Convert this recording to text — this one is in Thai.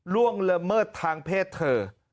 ล่วงละเมิดทางเพศเธอ